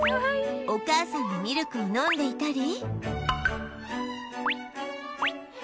お母さんのミルクを飲んでいたり